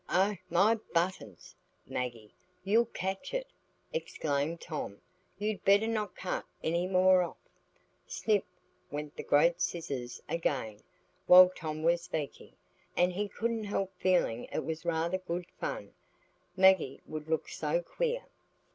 "Oh, my buttons! Maggie, you'll catch it!" exclaimed Tom; "you'd better not cut any more off." Snip! went the great scissors again while Tom was speaking, and he couldn't help feeling it was rather good fun; Maggie would look so queer.